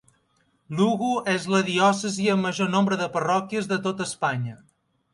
Lugo és la diòcesi amb major nombre de parròquies de tota Espanya.